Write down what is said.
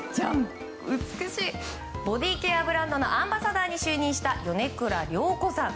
ボディーケアブランドのアンバサダーに就任した米倉涼子さん。